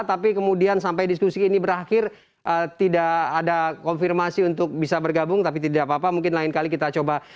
tapi kemudian sampai diskusi ini berakhir tidak ada konfirmasi untuk bisa bergabung tapi tidak apa apa mungkin lain kali kita coba